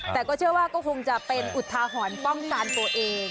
แต่ก็เชื่อว่าก็คงจะเป็นอุทาหรณ์ป้องกันตัวเอง